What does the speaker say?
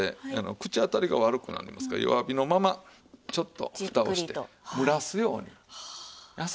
口当たりが悪くなりますから弱火のままちょっと蓋をして蒸らすように優しく火を通す。